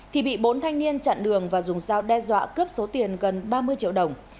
thì bị bốn thanh niên chặn đường và dùng dao đe dọa cướp số tiền gần ba mươi triệu đồng